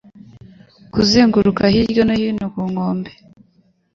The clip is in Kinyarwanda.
kuzunguruka hirya no hino ku nkombe